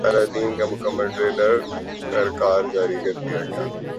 الہ دین کا مکمل ٹریلر خرکار جاری کردیا گیا